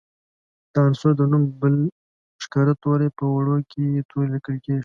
د عنصر د نوم بل ښکاره توری په وړوکي توري لیکل کیږي.